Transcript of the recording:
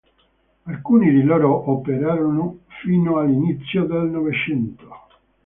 Alcuni di loro operarono fino all'inizio del Novecento.